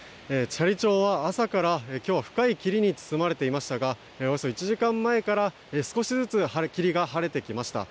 斜里町は朝から今日は深い霧に包まれていましたがおよそ１時間前から少しずつ霧が晴れてきました。